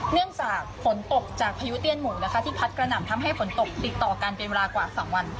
เนื่องจากฝนตกจากพายุเตี้ยนหมูนะคะที่พัดกระหน่ำทำให้ฝนตกติดต่อกันเป็นเวลากว่า๒วัน